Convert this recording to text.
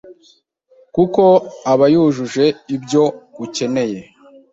kuko abayujuje ibyo ukeneye